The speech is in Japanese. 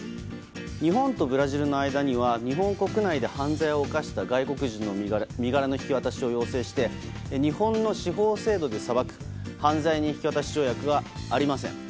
日本とブラジルの間には日本国内で犯罪を犯した外国人の身柄の引き渡しを要請して日本の司法制度で裁く犯罪人引き渡し条約がありません。